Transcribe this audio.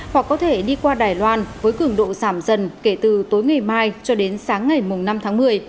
hoặc có thể đi qua đài loan với cường độ giảm dần kể từ tối ngày mai cho đến sáng ngày năm tháng một mươi